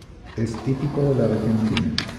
Es típico de la región Andina.